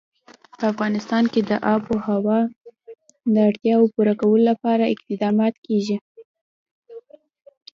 په افغانستان کې د آب وهوا د اړتیاوو پوره کولو لپاره اقدامات کېږي.